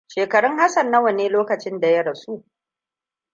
Shekarun Hassan nawa ne lokacin da ya rasu?